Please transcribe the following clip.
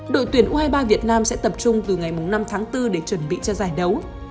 đội tuyển u hai mươi ba việt nam sẽ tập trung từ ngày năm tháng bốn để chuẩn bị cho giải đấu